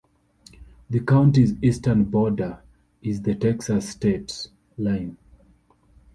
The county's eastern border is the Texas state line.